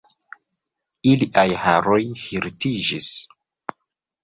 Iliaj haroj hirtiĝis.